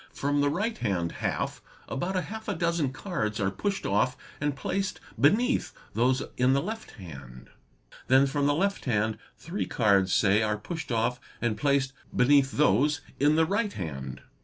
From the right hand half about half a dozen cards are pushed off and placed beneath those in the left hand. Then, from the left hand, three 7 :.{ Per eee ey i es eee ) CHEATING AT CARDS 827 cards say are pushed off and placed beneath those in the right hand.